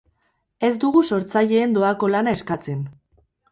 Ez dugu sortzaileen doako lana eskatzen.